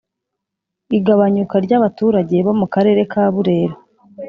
igabanyuka ryabaturage bo mu karere kaburera